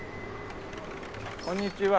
こんにちは。